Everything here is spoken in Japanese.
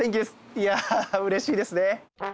いやうれしいですね。